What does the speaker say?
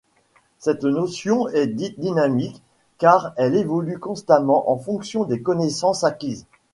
Cette notion est dite dynamique car elle évolue constamment en fonction des connaissances acquises.